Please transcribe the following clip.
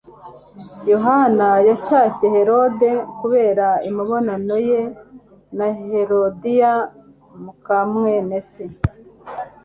Yohana yacyashye Herode kubera imibonano ye na Herodiya muka mwene se.